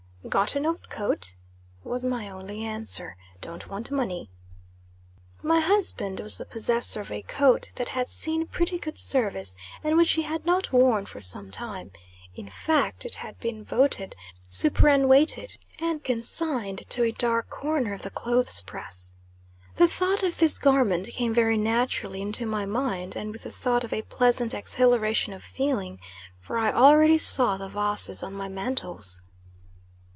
"Got an old coat?" was my only answer. "Don't want money." My husband was the possessor of a coat that had seen pretty good service, and which he had not worn for some time. In fact, it had been voted superannuated, and consigned to a dark corner of the clothes press. The thought of this garment came very naturally into my mind, and with the thought a pleasant exhilaration of feeling, for I already saw the vases on my mantles.